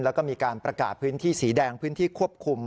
แล้วก็มีการประกาศพื้นที่สีแดงพื้นที่ควบคุม